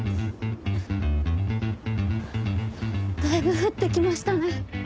だいぶ降って来ましたね。